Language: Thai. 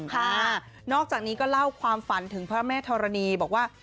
ค่ะนอกจากนี้ก็เล่าความฝันถึงพระแม่ธรณีบอกว่า